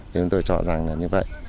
thế nên tôi chọn rằng là như vậy